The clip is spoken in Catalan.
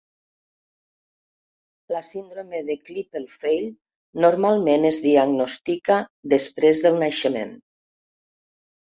La síndrome de Klippel-Feil normalment es diagnostica després del naixement.